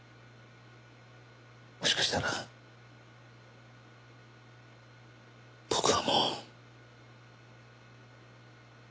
もしかしたら僕はもう。